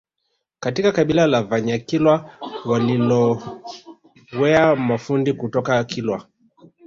Katika kabila la Vanyakilwa walilowea mafundi kutoka kilwa